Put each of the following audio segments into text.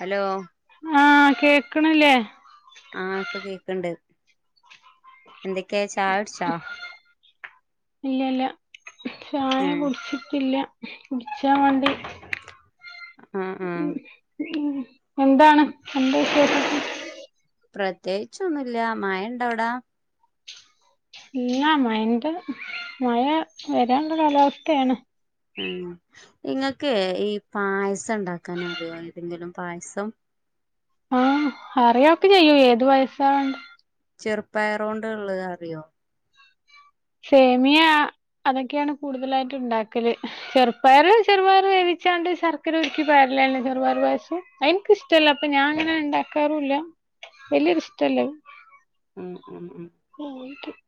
Hello ആഹ് കേക്ക്ണ്ല്ലേ ആഹ് ഇപ്പൊ കേക്ക്ണ്ട് എന്തൊക്കെ ചായുട്‌ച്ചോ ഇല്ലല്ല ചായ ഏഹ് കുടിച്ചിട്ടില്ല കുട്ച്ചാൻ വേണ്ടി ആഹ് ആഹ് ഉം എന്താണ് അന്റെ വിശേഷം പ്രത്യേകിച്ചൊന്നുല്ല മായണ്ട അവ്ടാ ഇല്ല മയന്റെ മഴ വരാന്ള്ള വരന് ള്ളവസ്ഥയാണ് ഉം ങ്ങക്കെ ഈ പായസം ണ്ടാക്കാനറിയോ ഏതെങ്കിലും പായസം ആഹ് അറിയോക്കെ ചെയും ഏത് വയസണ്ട് ചെറുപ്പായറൊണ്ട് ഉള്ളത് അറിയോ സേമിയ അതൊക്കെയാണ് കൂടുതലായിട്ട് ഉണ്ടാക്കല് ചെറുപ്പയർ ചെറുപയർ വേവിച്ചാണ്ട് ശർക്കര ഉരുക്കി പയറില്ല ചെറുപയർ പായസം എനിക്കിഷ്ടല്ല അപ്പൊ ഞാൻ അങ്ങനെ ഉണ്ടാക്കാറുമില്ല വല്യൊരു ഇഷ്ടല്ലത് ഉം ഉം ഉം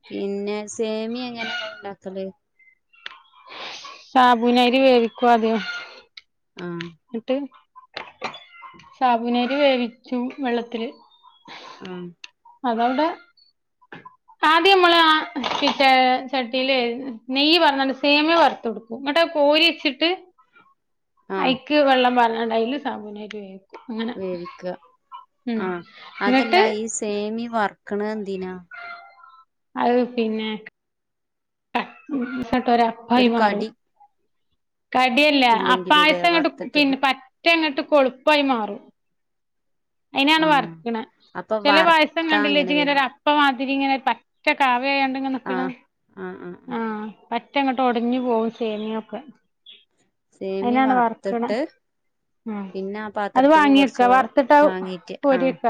പിന്നെ സേമിയ എങ്ങനെയാ നിങ്ങൾ ഇണ്ടാക്കല് സാബുനരി വേവിക്കും അദ്യം ആഹ് എന്നിട്ട് സാബുനരി വേവിച്ചും വെള്ളത്തില് ഉം അതവിടെ ആദ്യം നമ്മൾ ആ ച ചട്ടിയില് നെയ്യ് വറന്നണ്ട് സേമിയ വറുത്ത് കൊടുക്കും ഇങ്ങോട്ട് കോരി വച്ചിട്ട് ആഹ് ഐക്ക് വെള്ളം പറഞ്ഞണ്ടതില് അയിൽ സാമൂനായിട്ട് വേവും വേവിക്ക ആഹ് ഇങ്ങട്ട് അതല്ല ഈ സെമിയ വർക്കണ് എന്തിനാ അത് പിന്നെ സട്ട ഒരു അപ്പായി മാറും കടിയല്ല ഇല്ലെങ്കില് ല്ലേ ആപായസം അങ്ങോട്ട് വറ്ത്തിട്ടില്ല പിന്നെ പറ്റ അങ്ങോട്ട് കൊളുപ്പമായി മാറും അയിനാണ് ആഹ് വർക്കണ അപ്പൊ ചില പായസം വറുത്താ കണ്ടില്ലേച്ചി അങ്ങനെ ഇങ്ങന വരും ഒര അപ്പമാതിരി ഇങ്ങനെ പറ്റ കാവിയണ്ട് ഇങ്ങനെ നിക്കണ് ആഹ് ആഹ് ആഹ് അഹ് മറ്റങ്ങോട്ട് ഒടഞ്ഞു പോവും സേമിയൊക്കെ സേമി അതിനാണ് വർക്കണെ വറുത്തിട്ട് അഹ് പിന്നെ ആ അത് പാത്രത്ത്ക്ക് കുറച്ച് വാങ്ങിവെക്ക വ വാങ്ങീട്ട് വറത്തിട്ടാകോരി ആഹ് വെക്ക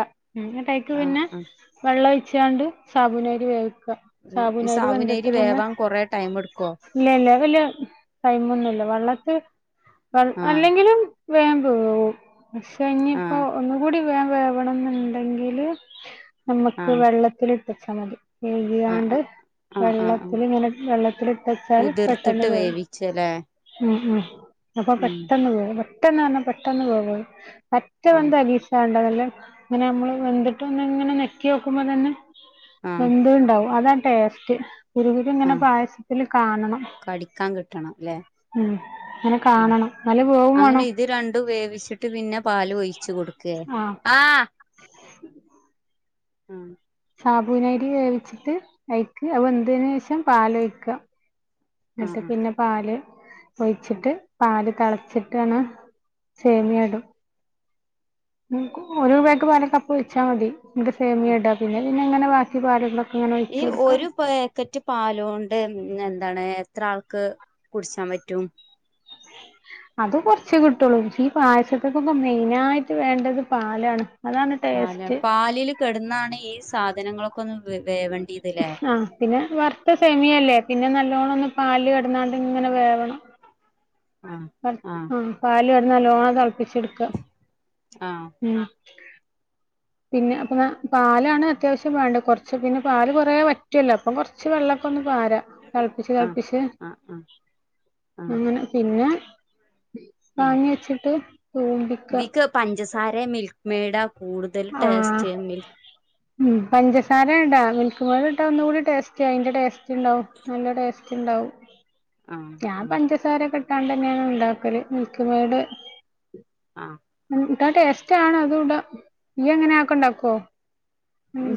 അതിട്ടേക് ആഹ് പിന്നെ ആഹ് വെള്ളം ഒഴിച്ചാണ്ട് സാബുനരി വേവിക്ക ഈ സാബൂനരി സാവുനരി വേവാൻ കൊറെ ടൈം എടുക്കുവോ ഇല്ലല്ല വലിയ ടൈമൊന്നുമില്ല വെള്ളത്തി വ ആഹ് അല്ലെങ്കിലും വേവുമ്പോ പക്ഷെ ഇനിയിപ്പ ആഹ് ഒന്നുകൂടി വ വേവണം എന്നുണ്ടെങ്കില് നമ്മുക്ക് ആഹ് വെള്ളത്തി ഇട്ടച്ചാൽ മതി ആഹ് എലിയാണ്ട് ആഹ് ആഹ് ആഹ് ആഹ് വെള്ളത്തില് ഇങ്ങനെ വെള്ളത്തിട്ടച്ചാല് പെട്ടെന്ന് കുതിർത്തിട്ട് വേവും. വേവിച്ചല്ലേ ഉം ഉം അപ്പൊ ഉം പെട്ടെന്ന് വേവും പെട്ടെന്ന് വന്നാ പെട്ടെന്ന് വേവും മറ്റ ആഹ് വന്ത അരീക്ഷണ്ടതല്ലേ ഇങ്ങനെ നമ്മള് വെന്തിട്ട് ഒന്ന് ഇങ്ങനെ നെക്കി നോക്കുമ്പോ തന്നെ ആഹ് വെന്ത് ഉണ്ടാവും അതാ ടേസ്റ്റ് കുരുകുരു ഇങ്ങനെ ആഹ് പായസത്തില് കാണണം കടിക്കാൻ കിട്ടണം അല്ലെ ഉം അങ്ങനെ ആഹ് കാണണം നല്ല വേവും അങ്ങനെ വേണം ഇത് രണ്ടും വേവിച്ചിട്ട് ഇട്ട് പിന്നെ പാല് ഒഴിച്ചു കൊടുക്കെ ആഹ് ഉം സാബൂനരി വേവിച്ചിട്ട് അയിക്ക് അത് വെന്തിന് ശേഷം പാല് ഒഴക്യാ എന്നിട്ട് ആഹ് പിന്നെ പാല് ഒഴിച്ചിട്ട് പാല് തിളച്ചിട്ടാണ് സേമിയ ഇടും ഒരു പാക്ക് പാല് കപ്പ് ഒഴിച്ചാൽ മതി പിന്നെ ആഹ് സേമിയ ഇട പിന്നെ പിന്നെ അങ്ങനെ ബാക്കി പാലുള്ളത് ഈ ഒരു പാക്കറ്റ് പാല് കൊണ്ട് എന്താണ് എത്ര ആൾക്ക് കുടിച്ചാൻ പറ്റും അത് കുറചെ കിട്ടുള്ളൂ പക്ഷേ ഈ പായസത്തക്കൊക്കെ മെയിനായിട്ട് വേണ്ടത് പാലാണ്. അതാണ് പാല ടേസ്റ്റ് പാലില് കെടന്നാണ് ഈ സാധനങ്ങളൊക്കെ ഒന്ന് വേവണ്ടിതല്ലേ ആഹ് പിന്നെ വറുത്ത സെമിയല്ലേ പിന്നെ നല്ലോണ്ണം ഒന്ന് പാല് കിടുന്നാണ്ട് ഇങ്ങനെ വേവണം ആഹ് പാല് ല് കടന്ന് നല്ലോണം തിളപ്പിച്ച് എടുക്ക ആഹ് ഉം പിന്നെ അപ്പം പാലാണ് അത്യാവശ്യം വേണ്ടത് കുറച്ച് പിന്നെ പാല് കുറയാ വറ്റുവല്ലോ അപ്പം കുറച്ച് വെള്ളവൊക്കെ ഒന്ന് പാരാ. തിളപ്പിച്ച്‌ ആഹ് തിളപ്പിച്ച്‌ ആഹ് ആഹ് ആഹ് അങ്ങനെ പിന്നെ ആഹ് വാങ്ങി വെച്ചിട്ട് തൂമ്പിക്ക പഞ്ചസാരേ മിൽക്ക് മെയിഡാ കൂടുതൽ ആഹ് ടേസ്റ്റ് മിൽ ഉം പഞ്ചസാര ഇട മിൽക്ക് മേയിഡ് ഇട്ടാ ഒന്നുകൂടി ടേസ്റ്റ് അതിന്റെ ടേസ്റ്റ് ഉണ്ടാവും നല്ല ടേസ്റ്റ്ണ്ടാവും ആഹ് ഞാൻ ആഹ് പഞ്ചസാര ഒക്കെ ഇട്ടാണ്ട് തന്നെയാണ് ഉണ്ടാക്കല് മിൽക്ക് മെയിഡ് ആഹ് ഇട്ടാ ടേസ്റ്റാണ് അതൂടാം നീയ് അങ്ങനെയാക്കണ്ടോ ഇപ്പം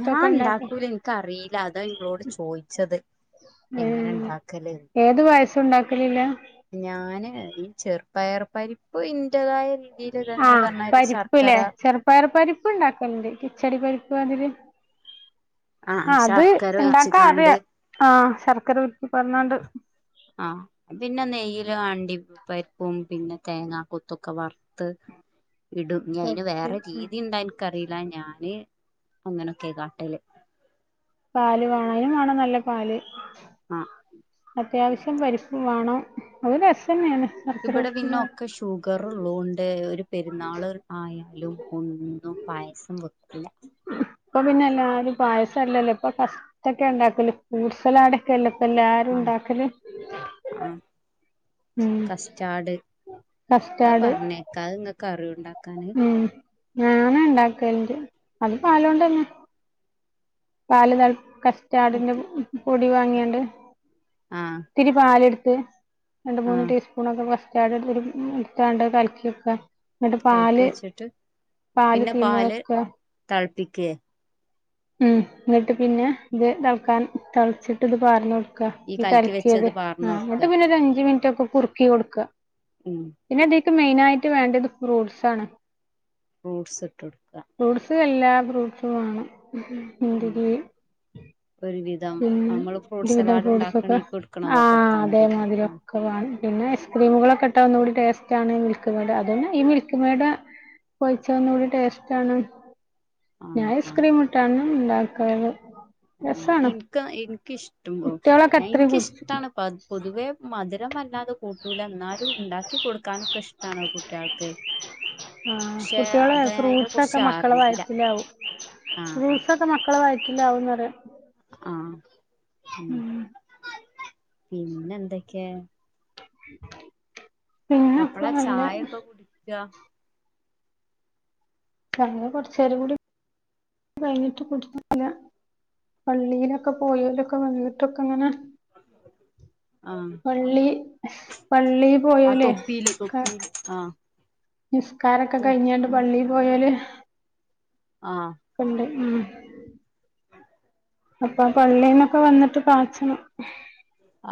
ഞാൻ ഉണ്ടാക്കൂല എനിക്കറിയില്ല അതാ നിങ്ങളോട് ചോയിച്ചത് എങ്ങനെ ഏഹ് ഇണ്ടാക്കല്ന്ന് ഏത് പായസവും ഉണ്ടാക്കലില്ല ഞാന് ഈ ചെറുപ്പയർപ്പരിപ്പ് ഇന്റതായ രീതി ആഹ് പരിപ്പല്ലേ ചെറു പയർപ്പരിപ്പ് ഉണ്ടാക്കലണ്ട് കിച്ചടി പരിപ്പ് അതില് ആഹ് അത് ശർക്കര ഇണ്ടാക്കാൻ ഒഴിച്ച്ക്കാണ്ട് അറിയാം ആഹ് ശർക്കര ഉരുക്കി പാർന്നാണ്ട് ആഹ് പിന്നെ നെയ്യില് അണ്ടിപ്പരിപ്പും പിന്നെ തേങ്ങാ കുത്തൊക്കെ വർ ത്ത് ഇടും ഇനി അതിന് പൊരിച്ച് വേറെ ഉം രീതി ഉണ്ടാ ഇൻകറിയില്ല ഞാന് അങ്ങനൊക്കെ കാട്ടല് പാല് വേണം അതിനും വേണം നല്ല പാല് ആഹ് അത്യാവശ്യം പരിപ്പും വേണം അത് രസം തന്നെയാണ് ഇവിടെ പിന്നെ ഒക്കെ ഷുഗർ ഉള്ളതൊണ്ട് ഒരു പെരുന്നാള് ആയാലും ഒന്നും പായസം വെക്കൂല്ല പായസം അല്ലല്ലോ ഇപ്പൊ ഫസ്റ്റൊക്കെ ഉണ്ടാക്കല് ഫ്രൂട്ട്സ്സലാഡ് ക്കല്ലേ ഇപ്പോ എല്ലാരും ആഹ് ഉണ്ടാക്കല് ഉം കസ്റ്റാഡ് അത് കസ്റ്റാർഡ് പറഞ്ഞേക്കാ അത് നിങ്ങക്ക് അറിയോ ഉണ്ടാക്കാന് ഉം ഞാന് ഇണ്ടാക്കലുണ്ട് അത് പാല് കൊണ്ട് തന്നെ പാല് തള കസ്റ്റാഡിന്റെ അത് പൊടി വാങ്ങിയാണ്ട് ആഹ് ഇത്തിരി പാലെടുത്ത് രണ്ട് മൂന്ന് ആഹ് ടീസ്പൂൺ ഒക്കെ കസ്റ്റാഡ് എടത്ത് എടുത്താണ്ട് കൽക്കിവെക്കാ എന്നിട്ട് കലക്കി പാല് വെച്ചിട്ട് പാല് തീയ്മെ വെക്ക തളപ്പിക്കേ ഉം എന്നിട്ട് പിന്നെ ഇത് തിളക്കാൻ തിളച്ചിട്ട് ഇത് പാലിനോ ഈ കലക്കി കലക്കിയത് വെച്ചത് ആഹ് അങ്ങോട്ട് പാർന്നൊടുക്ക പിന്നെ ഒരു അഞ്ച മിനിറ്റൊക്കെ കുറുക്കി കൊടുക്ക ഉം പിന്നെ ഇതിക്ക് മെയിനായിട്ട് വേണ്ടത് ഫ്രൂട്ട്സ് ആണ് ഫ്രൂട്ട്സ് ഇട്ട് കൊടുക്കുക ഫ്രൂട്ട്സും എല്ലാ ഫ്രൂട്ട്സും വേണം ആഹ് മുന്തിരി ഒരു പീസ് തം പിന്നെ നമ്മള് ഫ്രൂട്ട് ഒരുവിധം സെലാഡ് ഫ്രൂട്ട്സ് ഒക്കെ ഉണ്ടാക്കണീ ക്ക്ടുക്കണ ആ അതൊക്കെടുത്താൽ മതില്ലേ അതേമാതിരി ഒക്കെ പിന്നെ ഐസ്ക്രീമുകളൊക്കെ ഇട്ടാ ഒന്നുകൂടി ടേസ്റ്റാണ് മിൽക്ക് മെയിഡ് അത് തന്നെ ഈ മിൽക്ക് മെയിഡ് ഒഴിച്ചാ ഒന്നു കൂടി ടേസ്റ്റ ആണ് ഞാൻ ആഹ് ആഹ് ഐസ്ക്രീം ഇട്ടാണ് ഉണ്ടാക്കാറ് ആഹ് രസാണ് എനിക്ക് എനിക്കിഷ്ടമാ കുട്ടികളൊക്കെ ഞാൻ എത്രയും കുടിച്ചും എനിക്കിഷ്ടാണ് പ പൊതുവെ മധുരം വല്ലാതെ കൂട്ടൂല എന്നാലും ഉണ്ടാക്കി കൊടുക്കാനൊക്കെ ഇഷ്ടണ് കുട്ടികൾക്ക് ആ പക്ഷെ കുട്ടികളെ അത് അതിനെ ഫ്രൂട്ട്സ് കുറിച്ച് ഒക്കെ മക്കളെ അറിയില്ല ആഹ് ആഹ് ഒക്കമക്കളെ വയിറ്റില്ലാവുന്നറിയാം ആഹ് ഉം പിന്നെ എന്തൊക്കെ പിന്നെ ഒക്കം നല്ലേ ജ ചായ കുറച്ചേരം കൂടി കഴിഞ്ഞിട്ട് കൊടുത്ത [unintelligible] പള്ളിയിലൊക്കെ പോയ വരൊക്കെ വന്നിട്ടൊക്കങ്ങനെ [unintelligible] ആഹ് പള്ളി ആഹ് പോയോലേ തൊപ്പില് തൊപ്പില് ആഹ് നിസ്കാരക്കെ കഴിഞ്ഞാണ്ട് തൊപ്പി പള്ളിൽ പോയോല് ആഹ് ണ്ട് അപ്പ പള്ളിന്നൊ ഒക്കെ വന്നിട്ട് പാച്ചണം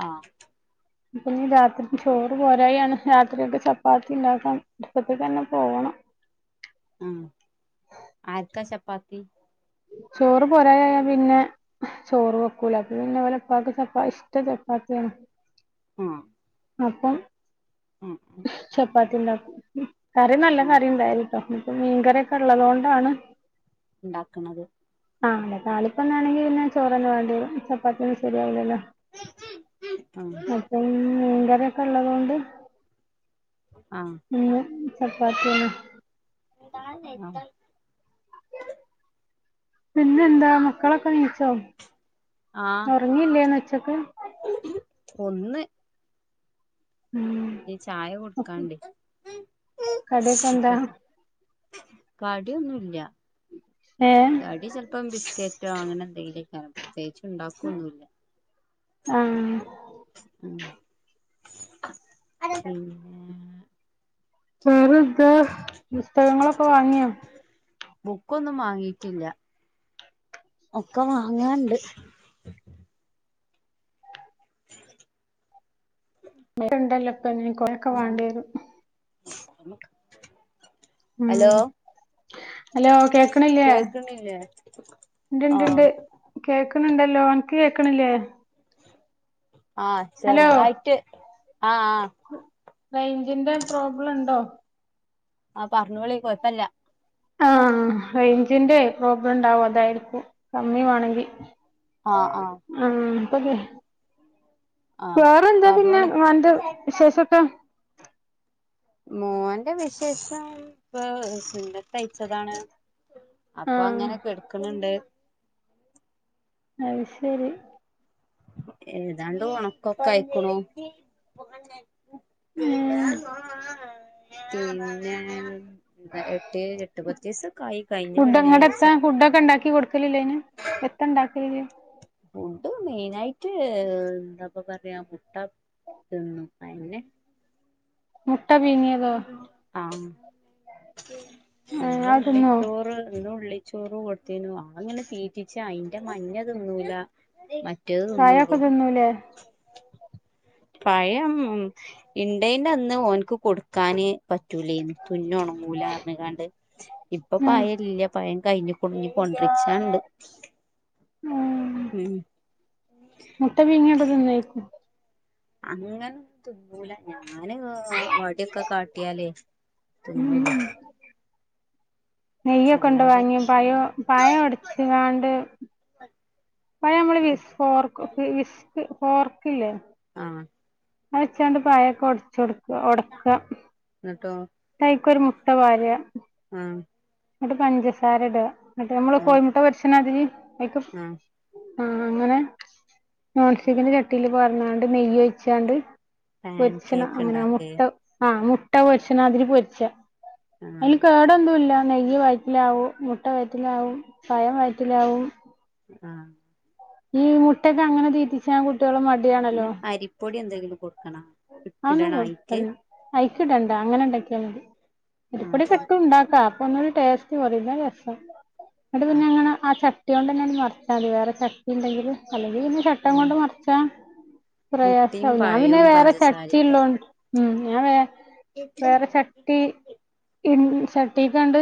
ആഹ് ഇപ്പന്നീ രാത്രി ചോറ് പോരായാണ് രാത്രിക്കെ ചപ്പാത്തി ഉണ്ടാക്കൻ അടുപ്പത്തേക്ക് തന്നെ പോകണം ഉം ആര്ക്കാ ചപ്പാത്തി ചോറ് പോരായ പിന്നെ ചോറ് വെക്കൂല അപ പിന്നെ ഓലപ്പാക്ക് ചപ്പ ഇഷ്ട്ടം ചപ്പാത്തി ആണ് ആഹ് അപ്പം ഉ ഉ [inaudible] ചപ്പാത്തി ഉണ്ടാകും കറി നല്ല ആഹ് കറി ഉണ്ടായാല് ട്ടോ ഇപ്പ മീൻകറിയൊക്കെ ഉള്ളത് കൊണ്ടാണ് ഉണ്ടാക്കണത് ആ അല്ലെ തളിപ്പൊന്നാണെങ്കി പിന്നെ ചോറന്നെ വാണ്ടി വരും ചപ്പാത്തി ഒന്നും ശരിയാവൂല്ലല്ലോ ആഹ് അപ്പം മീൻകറിക്കെ ഉള്ളതുകൊണ്ട് ആഹ് ഇന്ന് ചപ്പാത്തി ആണ് ന്താ [unintelligible] പിന്നെന്താ മക്കളൊക്കെ നീച്ചോ ആഹ് ഉറങ്ങിയില്ലേ ഉച്ചയ്ക്ക് ഒന്ന് ഉം ചായ കൊടുക്കാണ്ട് കടിയൊക്കെ എന്താ കടിന്നുംല്ല ഏഹ് കടി ചിലപ്പം ബിസ്ക്കറ്റോ അങ്ങനെ എന്തെങ്കിലുമൊക്കെ പ്രത്യേകിച്ച് ഉണ്ടാക്കൊന്നുല്ല ആഹ് ഉ പിന്നെ വെറാന്താ പുസ്തകങ്ങളൊക്കെ വാങ്ങിയോ ബുക്കൊന്നും വാങ്ങിട്ടില്ല ഒക്കെ വാങ്ങാണ്ട് [inaudible] ഒക്കെ ഉണ്ടല്ലപോ കൊറെയൊക്കെ വാണ്ടി വരും ഉം ഹലോ ഹലോ കേക്കണില്ലേ കേക്കണില്ലേ ഇണ്ട് ഇണ്ട് ഇണ്ട് ആഹ് കേക്കണണ്ടല്ലോ അനക്ക് കേൾക്കണില്ലേ ആഹ് ഹലോ ചെറുതായിട്ട് ആഹ് ആഹ് റൈഞ്ചിന്റെ പ്രോബ്ലം ണ്ടോ ആഹ് പറഞ്ഞോളി കൊഴപ്പല്ല ആഹ് റേഞ്ചിന്റെ പ്രോബ്ലം ഉണ്ടാവും അതായിരിക്കും കമ്മി വേണെങ്കിൽ ആഹ് ആഹ് ആഹ് അപ്പൊക്കെ ആഹ് വേറെ എന്താ പിന്നെ പറഞ്ഞോളി അന്റെ വിശേഷമൊക്കെ മോൻ്റെ വിശേഷം ഇപ്പൊ സുന്നത്തയ്ച്ചതാണ് അപ്പൊ ആഹ് അങ്ങനെ കടുക്കണണ്ട് അത് ശരി ഏതാണ്ട് ഉണക്കൊക്കെ ആയിക്കണു ഏഹ് [unintelligible] പിന്നെ എട്ട് എട്ട് പത്ത് ദിവസക്കായി കഴിഞ്ഞ വെള്ളിയഴ്ച ഫുഡ്‌ക്കെ ഉണ്ടാക്കി കൊടു ലില്ലേന് എത്ത ഉണ്ടാക്കലിജ് ഫുഡ് മെയ്നായിട്ട് എന്താപ്പ പറയാ മുട്ട തിന്നും. അതന്നെ. മുട്ട പീങ്യേതോ? ആഹ്. ആഹ് പിന്നെ അത് ഉള്ളി തിന്നോ ചോറ്. ഇന്ന് ഉള്ളി. ചോറ് കൊടുത്തീനു. അതങ്ങനെ തീറ്റിച്ച അയിന്റെ മഞ്ഞതിന്നൂല. മറ്റേത് തിന്നൊള്ളൂ. കായൊക്കെ തിന്നൂലേ പഴം ഇണ്ടേന്റെന്ന് ഓൻക്ക് കൊട്ക്കാന്. പറ്റൂലയ്നി. തുന്ന് ഒണ്ങ്ങൂലാറ്ഞ്ഞകാണ്ട് ഇപ്പൊ ഉം പയല്ല. പഴ- കഴിഞ്ഞുക്ണ്. ന്ന് കൊണ്ട്‌രിച്ചാണ്ട്‌. ഉം. ഉം. മുട്ട പീങ്ങീത് തിന്നേക്കും? അങ്ങനെ തിന്നൂല. ഞാന് വടിയൊക്കെ കാട്ടിയാലേ? ഉം തിന്നുള്ളൂ. നെയ്യക്കെണ്ടോ അല്ലാതെ വാങ്ങിയത്? പഴം പഴം ഒടച്ച്ങ്ങാണ്ട്. പഴം നമ്മള് വി ഫോർക്ക് വിസ്ക് ഫോർക്ക് ഇല്ലേ? ആഹ് അയിലെച്ചാണ്ട് പഴൊക്കെ ഒടച്ചട്ക്കാ. ഒടക്ക. ന്നട്ടോ? ന്നട്ടയ്ക്കൊരു മുട്ട പാരാ. ആഹ് എന്നിട്ട് പഞ്ചസാര ഇട. എന്നിട്ട് നമ്മള് ആഹ് കോഴിമുട്ട പൊര്ച്ച്ണാതിരി അയ്ക്ക്. ആഹ് ആഹ്, അങ്ങനെ. നോൺസ്റ്റിക്കിന്റെ ചട്ടീൽ പാർന്നാണ്ട്, നെയ്യ് ഒഴിച്ചാണ്ട്, പാൻ പൊര്ച്ചണ കേക്ക് അങ്ങനെ ഇണ്ടാക്കേ മുട്ട. ആഹ്. മുട്ട പൊരിച്ച്ണാതിരി പൊരിച്ച. ആഹ് അയിൽ കേടൊന്നുല്ല. നെയ്യ് വയറ്റലാവും, മുട്ട വയറ്റലാവും പയം വയറ്റലാവും. ആഹ്. ഈ മുട്ടൊക്കെ അങ്ങനെ തീറ്റിച്ചാൻ കുട്ടികൾ മടി. പിന്നെ അരിപ്പൊടി എന്തെങ്കിലും കൊട്ക്കണാ? അതൊന്നും കൊട്ക്കണ്ട. അയിക്ക്‌ടണ്ടാ, അങ്ങനെ ഇണ്ടാക്കിയാ മതി. ആഹ് അരിപ്പൊടിക്കെ ആഹ് ഇട്ടുംണ്ടാക്കാ. അപ്പൊന്നൂടി ടേസ്റ്റ് കൊറിം. ഇതാ രസം. എന്നിട്ട് പിന്നെ ആഹ് അങ്ങനെ. ആ ചട്ടിണ്ട്ങ്ങനെ മറിച്ചാതി വേറെ ചട്ടിണ്ടെങ്കില്. അല്ലെങ്കിൽ പിന്നെ ചട്ടകം ആഹ് കൊണ്ട് മർച്ചാ മുട്ടിം പ്രയാസാവും. ഞാൻ പിന്നെ പഴവും വേറെ- ചട്ടി പഞ്ചസാരിം ല്ലേ ഉം. ഉള്ളോണ്ട് ഞാൻ വേ വേറെ ചട്ടി ചട്ടിക്കണ്ട്.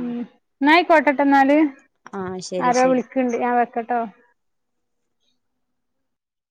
ഉം. ന്നായിക്കോട്ടട്ടന്നാല്. ആഹ് ശരി ആരോ ശരി വിളിക്കണ്ട്, ഞാൻ വെക്കട്ടോ?